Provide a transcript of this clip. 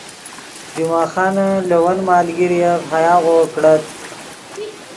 جمعہ خانن لے ون مالگیرف ہیاغو کڑت